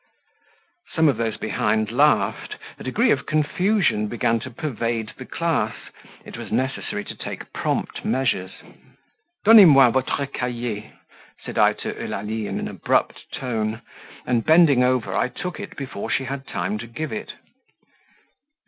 Some of those behind laughed: a degree of confusion began to pervade the class; it was necessary to take prompt measures. "Donnez moi votre cahier," said I to Eulalie in an abrupt tone; and bending over, I took it before she had time to give it.